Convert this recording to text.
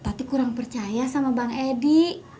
tapi kurang percaya sama bang edi